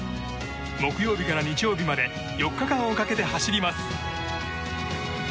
木曜日から日曜日まで４日間をかけて走ります。